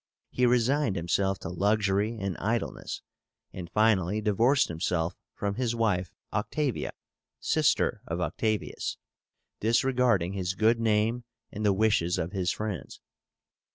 He resigned himself to luxury and idleness, and finally divorced himself from his wife Octavia, sister of Octavius, disregarding his good name and the wishes of his friends.